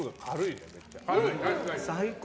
最高！